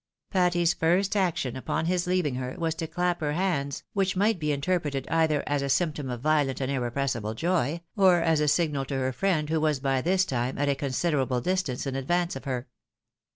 Patty's first action upon his leaving her, was to clap her hands, which might be interpreted either as a symptom of violent and irrepressible joy, or as a signal to her friend, who was by this time at a considerable distance in advance of her.